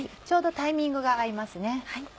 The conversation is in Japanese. ちょうどタイミングが合いますね。